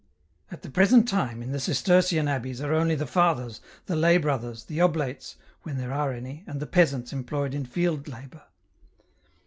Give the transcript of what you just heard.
*' At the present time, in the Cistercian abbeys are only the fathers, the lay brothers, the oblates, when there are any, and the peasants employed in field labour."